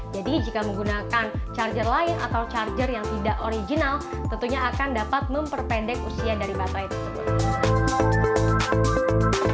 jadi jika menggunakan charger lain atau charger yang tidak original tentunya akan dapat memperpendek usia dari baterai tersebut